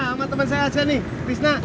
nah sama temen saya aja nih tisna